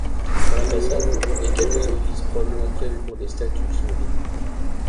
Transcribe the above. Sur la façade, les quelques orifices probablement prévus pour des statues sont vides.